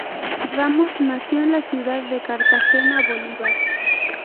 Ramos nació en la ciudad de Cartagena, Bolívar.